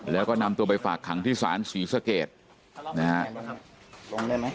แล้วก็นำตัวไปฝากขังที่ศาลศรีสเกตนะฮะ